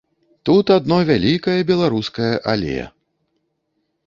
Тут адно вялікае беларускае але!